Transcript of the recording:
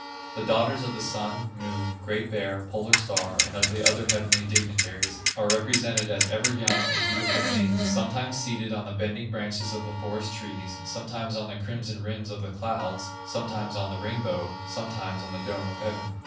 The daughters of the Sun, Moon, Great Bear, Polar star, and of the other heavenly dignitaries, are represented as ever young and beautiful maidens, sometimes seated on the bending branches of the forest trees, sometimes on the crimson rims of the clouds, sometimes on the rainbow, sometimes on the dome of heaven.